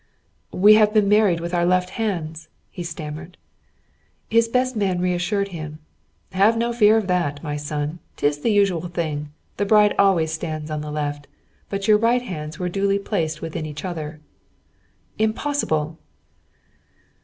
"We have been married with our left hands," he stammered. His best man reassured him: "Have no fear of that, my son. 'Tis the usual thing. The bride always stands on the left, but your right hands were duly placed within each other." "Impossible!"